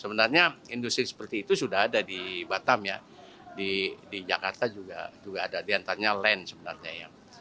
sebenarnya industri seperti itu sudah ada di batam ya di jakarta juga ada di antaranya len sebenarnya ya